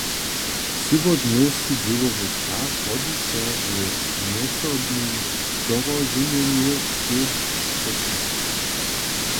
Cyłodnjowski dźěłowy čas hodźi so w mjezsobnym dorozumjenju tež skrótšić.